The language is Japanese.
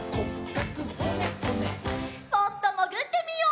もっともぐってみよう！